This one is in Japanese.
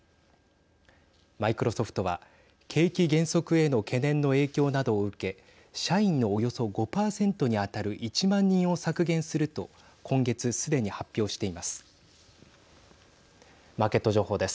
マイクロソフトは景気減速への懸念の影響などを受け社員のおよそ５％に当たる１万人を削減すると今月すでに発表しています。